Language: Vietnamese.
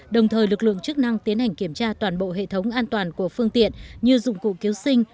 đồng thời lực lượng chức năng tiến hành kiểm tra toàn bộ hệ thống an toàn của phương tiện như dụng cụ cứu sinh